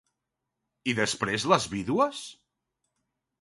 I després les vídues?